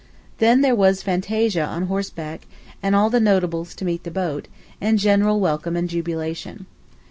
Then there was fantasia on horseback, and all the notables to meet the boat, and general welcome and jubilation.